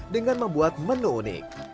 dengan membuat menu unik